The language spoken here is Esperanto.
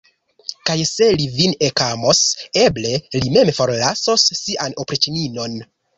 Kaj se li vin ekamos, eble li mem forlasos sian opriĉninon.